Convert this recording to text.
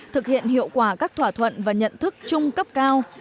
thực hiện hiệu quả các thỏa thuận và nhận thức chung cấp cao